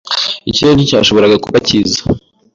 Ikirere nticyashoboraga kuba cyiza.